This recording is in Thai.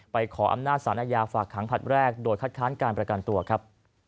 ขออำนาจสารอาญาฝากขังผลัดแรกโดยคัดค้านการประกันตัวครับ